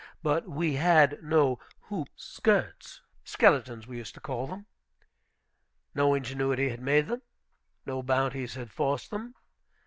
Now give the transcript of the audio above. But we had no hoop skirts, skeletons, we used to call them. No ingenuity had made them. No bounties had forced them.